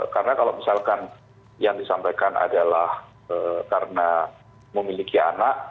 karena kalau misalkan yang disampaikan adalah karena memiliki anak